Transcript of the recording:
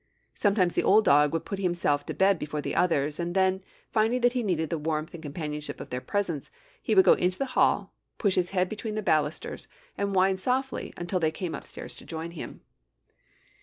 Sometimes the old dog would put himself to bed before the others, and then, finding that he needed the warmth and companionship of their presence, he would go into the hall, put his head between the balusters, and whine softly until they came upstairs to join him.